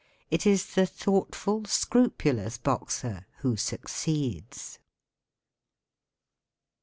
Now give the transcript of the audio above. It is the thoughtful, scrupulous boxer who succeeds.